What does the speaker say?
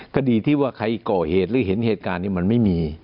คดีที่ว่าใครก่อเหตุหรือเห็นเหตุการณ์นี้มันไม่มี